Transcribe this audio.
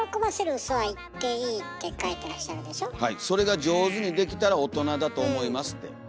「それが上手にできたら大人だと思います」って。